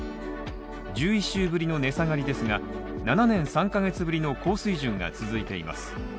１１週ぶりの値下がりですが、７年３ヶ月ぶりの高水準が続いています。